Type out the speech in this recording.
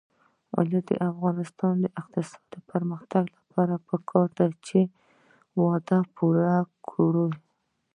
د افغانستان د اقتصادي پرمختګ لپاره پکار ده چې وعده پوره کړو.